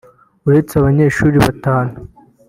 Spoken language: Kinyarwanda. uretse abanyeshuri batanu